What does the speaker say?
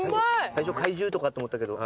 最初怪獣とかって思ったけど。